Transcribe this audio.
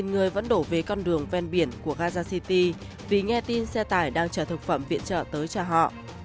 một mươi người vẫn đổ về con đường ven biển của gaza city vì nghe tin xe tải đang chở thực phẩm viện trợ tới cho họ